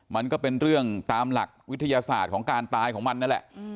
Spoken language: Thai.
มันก็เป็นเรื่องตามหลักวิทยาศาสตร์ของการตายของมันนั่นแหละ